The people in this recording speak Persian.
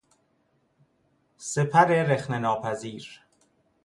سپر رخنه ناپذیر